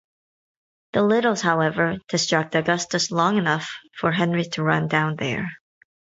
The Littles, however, distract Augustus long enough for Henry to run down there.